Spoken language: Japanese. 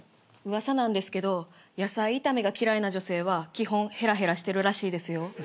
噂なんですけど野菜炒めが嫌いな女性は基本ヘラヘラしてるらしいですよ。